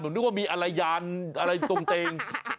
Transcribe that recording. นึกว่ามีอะไรยานอะไรตรงเตง